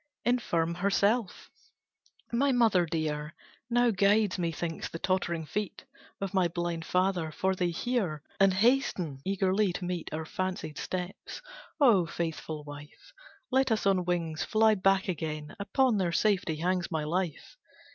"Infirm herself, my mother dear Now guides, methinks, the tottering feet Of my blind father, for they hear And hasten eagerly to meet Our fancied steps. O faithful wife Let us on wings fly back again, Upon their safety hangs my life!"